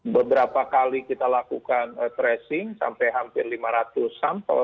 beberapa kali kita lakukan tracing sampai hampir lima ratus sampel